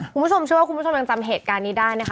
คุณผู้ชมเชื่อว่าคุณผู้ชมยังจำเหตุการณ์นี้ได้นะคะ